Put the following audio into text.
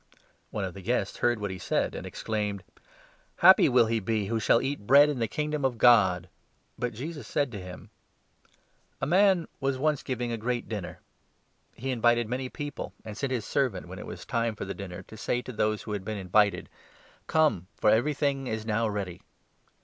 Parable of ^ne °^ t^ie guests heard what he said and ex 15 the gre«t claimed : Dinner. <> Happy will he be who shall eat bread in the Kingdom of God !" But Jesus said to him : 1 6 " A man was once giving a great dinner. He invited many people, and sent his servant, when it was time for the dinner, to 17 say to those who had been invited ' Come, for everything is now ready.'